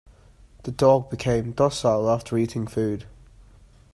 The dog became docile after eating food.